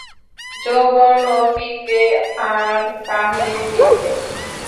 যৌবন ও মিলবে আর কাহিনী ও মিলবে!